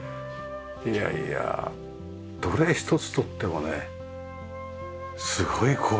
いやいやどれ一つとってもねすごい工事よ。